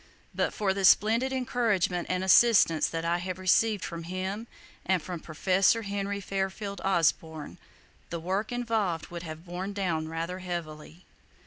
But for the splendid encouragement and assistance that I have received from him and [Page xi] from Professor Henry Fairneld Osborn the work involved would have borne down rather heavily.